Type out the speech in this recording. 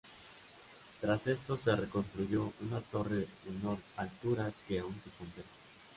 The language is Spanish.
Tras esto se reconstruyó una torre de menor altura que aún se conserva.